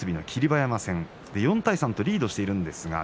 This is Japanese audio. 馬山戦４対３とリードしています。